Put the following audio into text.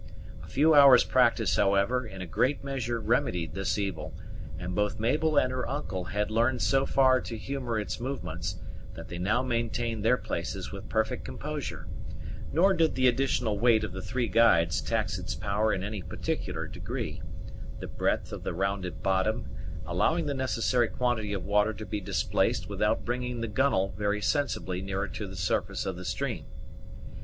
A few hours practice, however, in a great measure remedied this evil, and both Mabel and her uncle had learned so far to humor its movements, that they now maintained their places with perfect composure; nor did the additional weight of the three guides tax its power in any particular degree, the breath of the rounded bottom allowing the necessary quantity of water to be displaced without bringing the gunwale very sensibly nearer to the surface of the stream.